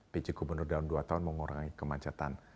pj gubernur dalam dua tahun mengurangi kemacetan